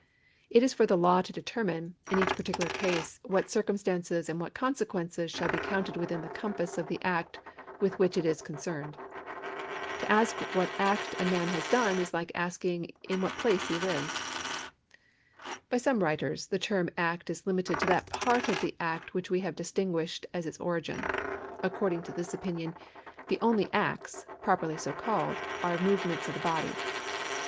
It is for the law to determine, in each particular case, what circumstances and what consequences shall be counted within the compass of the act with which it is concerned. To ask what act a man has done is like asking in what place he lives. By some writers the term act is limited to that part of the act which we have distinguished as its origin. According to this opinion the only acts, properly so called, are move ments of the body.